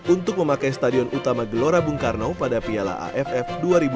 untuk memakai stadion utama gelora bung karno pada piala aff dua ribu dua puluh